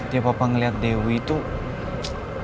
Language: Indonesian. tiap opa ngeliat dewi tuh